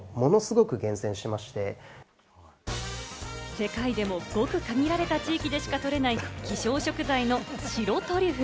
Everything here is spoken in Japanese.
世界でもごく限られた地域でしかとれない希少食材の白トリュフ。